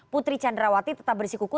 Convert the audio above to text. putri candrawati tetap bersikuku